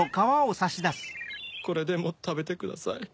これでもたべてください。